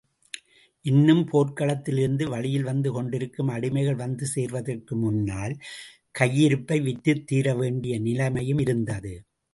இன்னும் போர்க்களத்திலிருந்து வழியில் வந்து கொண்டிருக்கும் அடிமைகள் வந்து சேர்வதற்கு முன்னால், கையிருப்பை விற்றுத்தீரவேண்டிய நிலைமையும் இருந்தது.